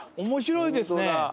面白いですね。